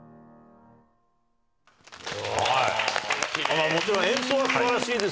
まぁもちろん演奏は素晴らしいですよ。